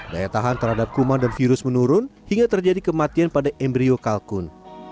daya tahan terhadap kuman dan virus menurun hingga terjadi kematian pada embryo kalkun